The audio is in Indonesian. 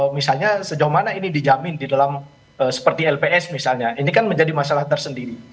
misalnya sejauh mana ini dijamin di dalam seperti lps misalnya ini kan menjadi masalah tersendiri